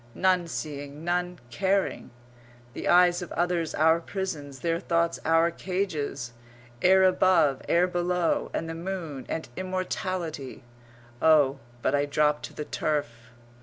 None seeing, none caring. The eyes of others our prisons; their thoughts our cages. Air above, air below. And the moon and immortality.... Oh, but I drop to the turf!